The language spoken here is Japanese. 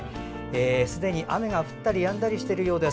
すでに雨が降ったりやんだりしているそうです。